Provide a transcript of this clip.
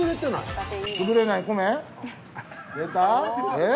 えっ？